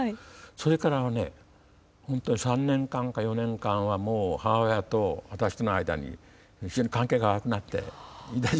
それからはね本当３年間か４年間はもう母親と私との間に非常に関係が悪くなっていた時期もあるんですね。